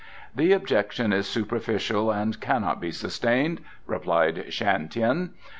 "The objection is superficial and cannot be sustained," replied Shan Tien.